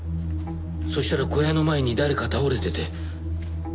そしたら小屋の前に誰か倒れてて。